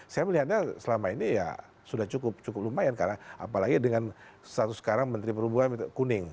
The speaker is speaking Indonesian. saya melihatnya selama ini ya sudah cukup lumayan karena apalagi dengan status sekarang menteri perhubungan kuning